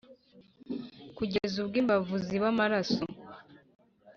kugeza ubwo imbavu ziva amaraso.